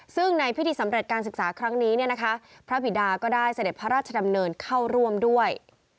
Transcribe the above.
ซึ่งในพิธีสำเร็จการศึกษาครั้งนี้เนี่ยนะคะพระบิดาก็ได้เสด็จพระราชดำเนินเข้าร่วมด้วย